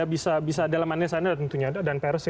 bisa ada lemannya sana tentunya dan prc